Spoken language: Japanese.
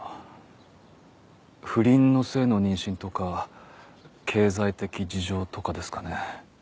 不倫の末の妊娠とか経済的事情とかですかね。